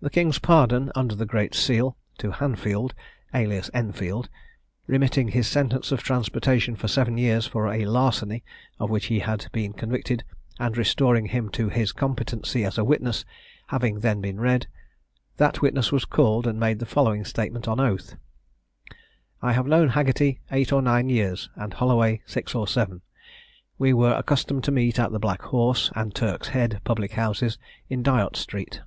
The king's pardon, under the great seal, to Hanfield alias Enfield, remitting his sentence of transportation for seven years, for a larceny of which he had been convicted, and restoring him to his competency as a witness, having then been read, that witness was called, and made the following statement on oath: "I have known Haggerty eight or nine years, and Holloway six or seven. We were accustomed to meet at the Black Horse, and Turk's Head, public houses, in Dyot street.